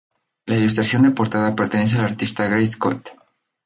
La ilustración de portada pertenece al artista Greg Scott.